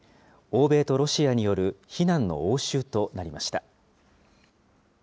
欧米とロシアによる非難の応酬となりました。